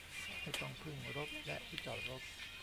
ไม่ต้องพึ่งรถและที่จอดรถ